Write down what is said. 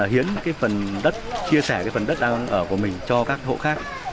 hiến phần đất chia sẻ phần đất đang ở của mình cho các hộ khác